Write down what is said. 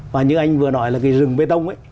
và như anh vừa nói là cái rừng bê tông ấy